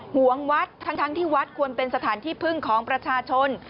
ห่วงวัดทั้งที่วัดควรเป็นสถานที่พึ่งของประชาชน